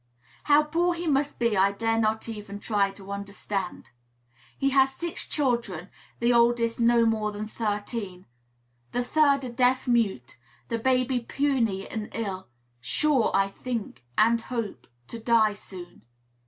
How poor he must be I dare not even try to understand. He has six children: the oldest not more than thirteen, the third a deaf mute, the baby puny and ill, sure, I think (and hope), to die soon.